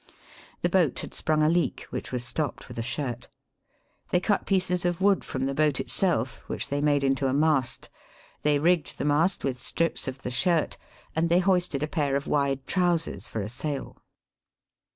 The boat had sprung a leak, which was stopped with a shirt. They cut pieces of wood from the boat itself, which they made into a mast ; they rigged the mast with strips of the shirt ; and they hoisted a pair of wide trousers for a sail.